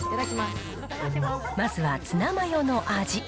まずはツナマヨの味。